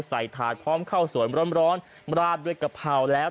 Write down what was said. ถาดพร้อมข้าวสวยร้อนราดด้วยกะเพราแล้ว